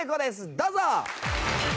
どうぞ！